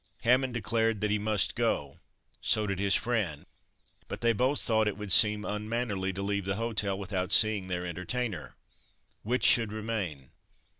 Hammond declared that he must go so did his friend; but they both thought it would seem unmannerly to leave the hotel without seeing their entertainer. Which should remain?